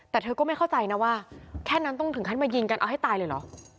แต่เธอก็ไม่เข้าใจนะว่าแค่นั้นต้องถึงขั้นมายิงกันเอาให้ตายเลยเหรอ